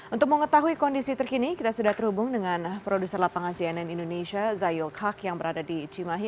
untuk mengetahui kondisi terkini kita sudah terhubung dengan produser lapangan cnn indonesia zayul kak yang berada di cimahi